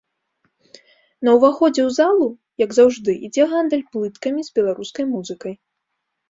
На ўваходзе ў залу, як заўжды, ідзе гандаль плыткамі з беларускай музыкай.